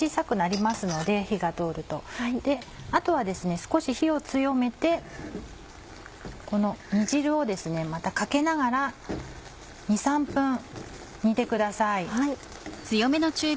少し火を強めてこの煮汁をですねまたかけながら２３分煮てください。